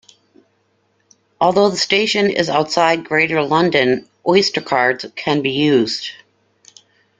Although the station is outside Greater London, Oyster cards can be used.